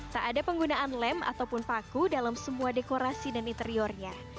tak ada penggunaan lem ataupun paku dalam semua dekorasi dan interiornya